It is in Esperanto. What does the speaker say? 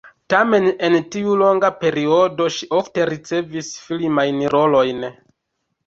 Tamen en tiu longa periodo ŝi ofte ricevis filmajn rolojn.